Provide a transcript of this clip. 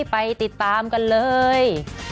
ไปติดตามกันเลย